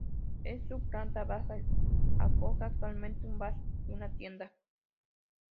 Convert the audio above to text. En su planta baja acoge actualmente un bar y una tienda.